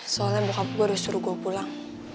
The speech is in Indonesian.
soalnya bokap gue udah suruh gue pulang